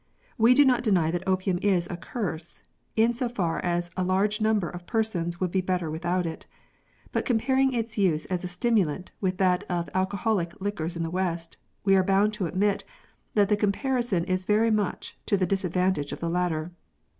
We do not deny that opium is a curse, in so far as a large number of persons would be better without it ; but comparing its use as a stimulant with that of alcoholic liquors in the West, we are bound to admit that the comparison is very much to the dis advantage of the latter.